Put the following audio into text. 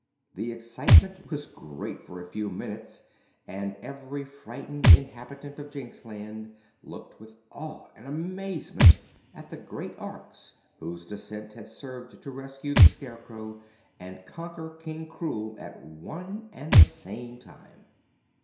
The excitement was great for a few minutes, and every frightened inhabitant of Jinxland looked with awe and amazement at the great Orks whose descent had served to rescue the Scarecrow and conquer King Krewl at one and the same time.